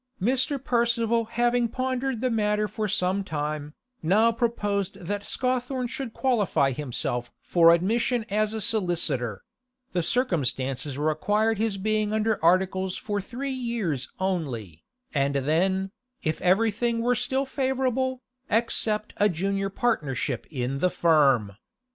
Mr. Percival having pondered the matter for some time, now proposed that Scawthorne should qualify himself for admission as a solicitor (the circumstances required his being under articles for three years only), and then, if everything were still favourable, accept a junior partnership in the firm.